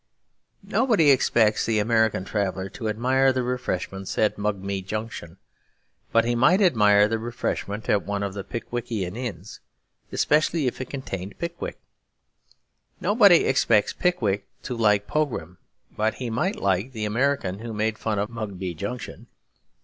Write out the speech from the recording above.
Nobody expects the American traveller to admire the refreshments at Mugby Junction; but he might admire the refreshment at one of the Pickwickian inns, especially if it contained Pickwick. Nobody expects Pickwick to like Pogram; but he might like the American who made fun of Mugby Junction.